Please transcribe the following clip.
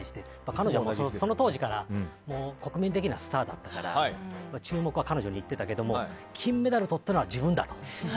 彼女はその当時から国民的なスターだったから注目は彼女に行っていたけど金メダルとったのは自分だと。